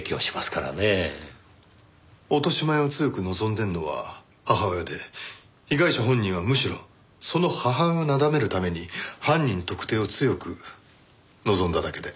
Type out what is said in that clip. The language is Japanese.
落とし前を強く望んでるのは母親で被害者本人はむしろその母親をなだめるために犯人特定を強く望んだだけで。